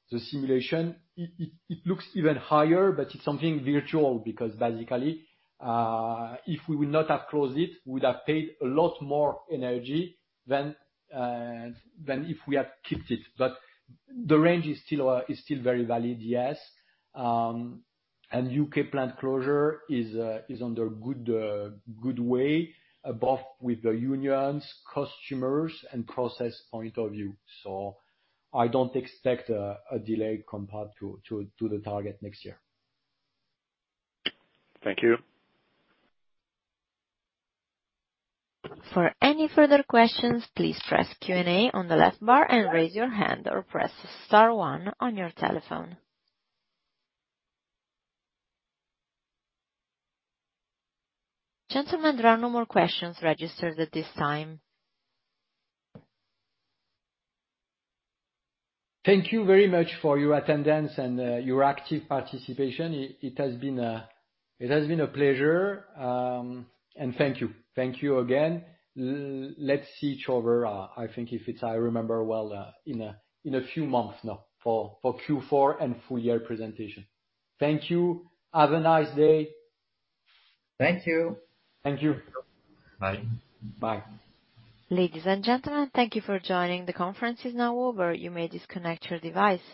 the simulation, it looks even higher. But it's something virtual, because basically, if we would not have closed it, we'd have paid a lot more for energy than if we had kept it. But the range is still very valid, yes. UK plant closure is underway, both with the unions, customers, and process point of view. I don't expect a delay compared to the target next year. Thank you. For any further questions, please press Q&A on the left bar and raise your hand or press star one on your telephone. Gentlemen, there are no more questions registered at this time. Thank you very much for your attendance and your active participation. It has been a pleasure. Thank you. Thank you again. Let's see each other, I think if I remember well, in a few months now for Q4 and full year presentation. Thank you. Have a nice day. Thank you. Thank you. Bye. Bye. Ladies and gentlemen, thank you for joining. The conference is now over. You may disconnect your device.